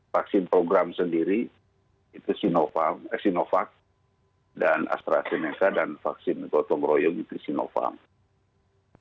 vaksin program sendiri itu sinovac dan astrazeneca dan vaksin gotong royong itu sinovac